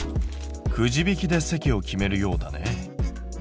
くじ引きで席を決めるようだね。